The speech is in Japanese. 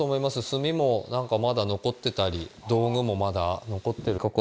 炭もなんかまだ残ってたり道具もまだ残ってる。